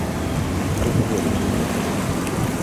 Ніхто не верыць у гэта.